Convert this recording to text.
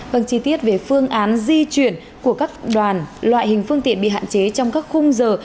vâng chi tiết về phương án di chuyển của các đoàn loại hình phương tiện bị hạn chế trong các khung giờ